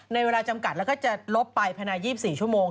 ในเวลาจำกัดแล้วก็จะลบไปภายใน๒๔ชั่วโมง